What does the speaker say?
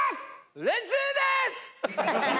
うれしいです！